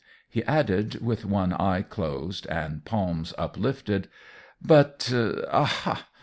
He added, with one eye closed, and palms lifted: "But aha!